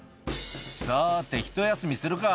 「さてひと休みするか」